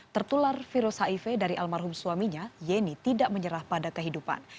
tertular virus hiv dari almarhum suaminya yeni tidak menyerah pada kehidupan